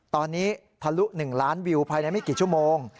ตอนนี้ทะลุ๑ล้านวิวภายในไม่กี่ชั่วโมง